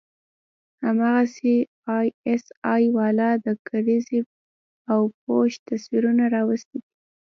هماغسې آى اس آى والا د کرزي او بوش تصويرونه راوستي دي.